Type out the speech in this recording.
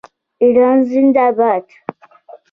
ایران زنده باد.